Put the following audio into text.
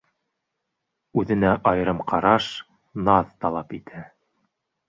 Үҙенә айырым ҡараш, наҙ талап итә.